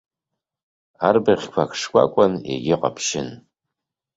Арбаӷьқәа ак шкәакәан, егьи ҟаԥшьын.